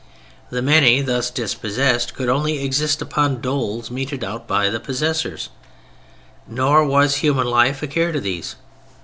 The many thus dispossessed could only exist upon doles meted out by the possessors, nor was human life a care to these.